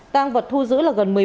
tăng vật thu giữ là gần một mươi bốn